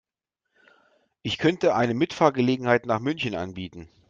Ich könnte eine Mitfahrgelegenheit nach München anbieten